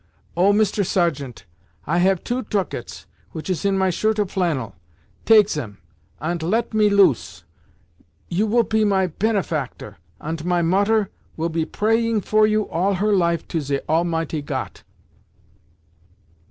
Oh, Mister Sergeant, I have two tucats which is in my shirt of flannel. Take zem, ant let me loose! You will pe my penefactor, ant my Mutter will be praying for you all her life to ze Almighty Got!